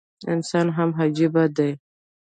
انسان هم عجيبه دی